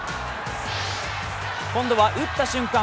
今度は打った瞬間